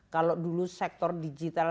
kalau dulu sektor digital